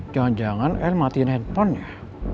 jangan jangan el matiin handphonenya